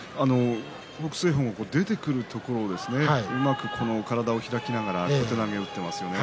北青鵬が出てくるところをうまく体を開きながら小手投げを打っていますね。